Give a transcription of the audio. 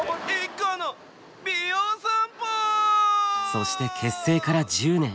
そして結成から１０年。